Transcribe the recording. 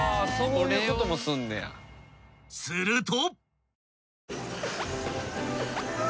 ［すると］